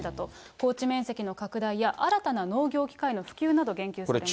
耕地面積の拡大や、新たな農業機械の普及など、言及されました。